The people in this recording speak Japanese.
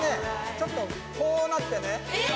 ちょっとこうなってね。